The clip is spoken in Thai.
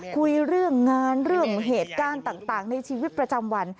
คุยเรื่องงานเรื่องเหตุการณ์ต่างในชีวิตประจำวัน